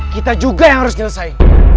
kita juga yang harus selesai